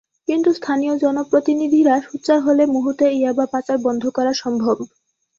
কিন্তু স্থানীয় জনপ্রতিনিধিরা সোচ্চার হলে মুহূর্তে ইয়াবা পাচার বন্ধ করা সম্ভব।